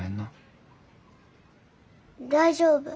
大丈夫。